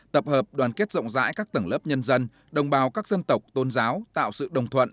tập hợp đoàn kết rộng rãi các tầng lớp nhân dân đồng bào các dân tộc tôn giáo tạo sự đồng thuận